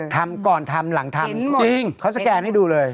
ทำก่อนทำหลังทำจริงเขาสแกนให้ดูเลย